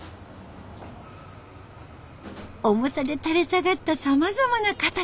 重さで垂れ下がったさまざまな形。